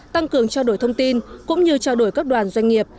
tăng cường trao đổi thông tin cũng như trao đổi các đoàn doanh nghiệp